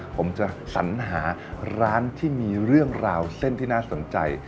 ผมจะสัญหาร้านที่มีเรื่องราวเส้นที่น่าสนใจ